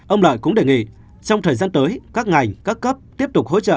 ông lợi cũng đề nghị trong thời gian tới các ngành các cấp tiếp tục hỗ trợ